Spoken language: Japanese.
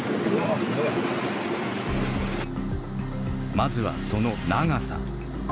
まずはその長さ。